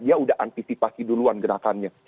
dia sudah antisipasi duluan gerakannya